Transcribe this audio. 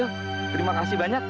yuk terima kasih banyak